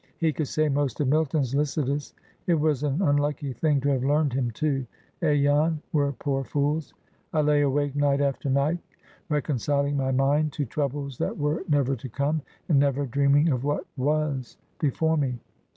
He could say most of Milton's 'Lycidas.' It was an unlucky thing to have learned him too! Eh, Jan! we're poor fools. I lay awake night after night reconciling my mind to troubles that were never to come, and never dreaming of what was before me.